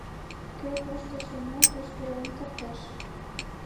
— Кӧ кушто шона, тушто руэн кертеш.